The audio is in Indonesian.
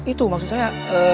itu maksud saya